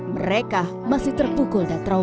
mereka masih terpukul dan trauma